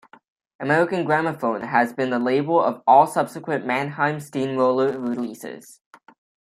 American Gramaphone has been the label for all subsequent Mannheim Steamroller releases.